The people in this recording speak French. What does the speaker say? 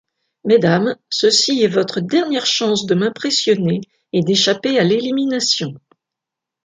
Mesdames, ceci est votre dernière chance de m'impressionner et d'échapper à l'élimination.